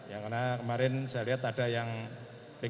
ya karena kemarin saya lihat ada yang